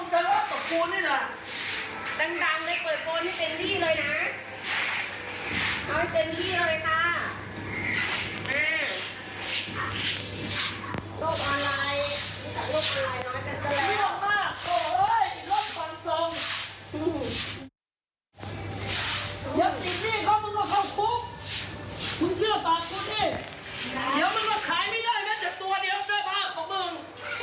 เดี๋ยวมันมาขายไม่ได้แมทแต่ตัวเนี้ยแมทแน่บ้านของมึง